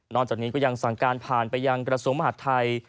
นอนจากนี้ก็ยังสั่งการผ่านไปยังกระสุมมหัฐไทย